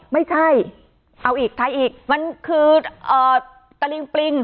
ไม่ใช่เอาอีกใครอีกมันคือเอ่อตะลิงปลิง